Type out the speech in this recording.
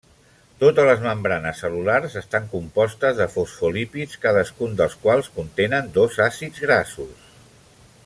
Totes les membranes cel·lulars estan compostes de fosfolípids, cadascun dels quals contenen dos àcids grassos.